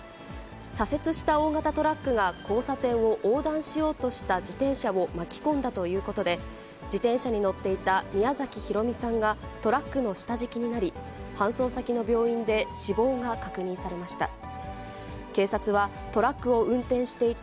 左折した大型トラックが、交差点を横断しようとした自転車を巻き込んだということで、自転車に乗っていた宮崎浩美さんがトラックの下敷きになり、搬送先の病院で死亡が確認されました。